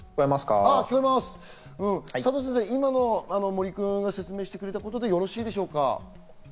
今、森君が説明してくれたことでよろしいでしょうか？